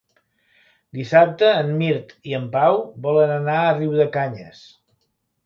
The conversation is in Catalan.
Dissabte en Mirt i en Pau volen anar a Riudecanyes.